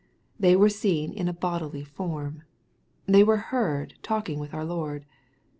They were seen in a bodily form. They were heard talking with our Lord.